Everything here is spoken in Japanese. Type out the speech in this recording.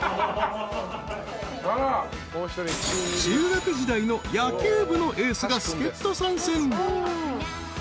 ［中学時代の野球部のエースが助っ人参戦］